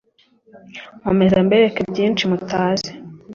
nkomeze mbereke byinshi mutazi